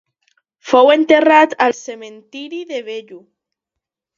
Fou enterrat al cementiri de Bellu.